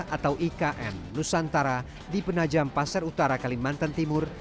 atau ikn nusantara di penajam pasar utara kalimantan timur